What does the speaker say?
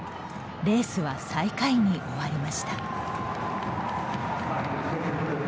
レースは最下位に終わりました。